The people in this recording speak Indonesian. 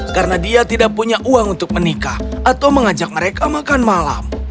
karena dia tidak punya uang untuk menikah atau mengajak mereka makan malam